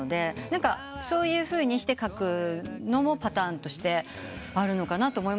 そういうふうにして書くのもパターンとしてあるのかなと思いました。